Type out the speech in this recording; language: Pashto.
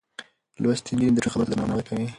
لوستې نجونې د ټولنې خبرو ته درناوی کوي.